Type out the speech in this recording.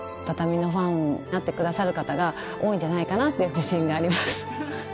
畳のファンになってくださる方が多いんじゃないかなっていう自信があります。